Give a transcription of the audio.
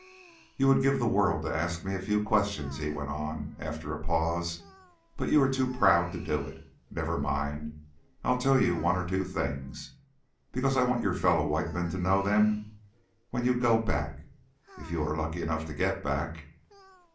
"You would give the world to ask me a few questions," he went on, after a pause; "but you are too proud to do it. Never mind, I'll tell you one or two things, because I want your fellow white men to know them when you go back if you are lucky enough to get back.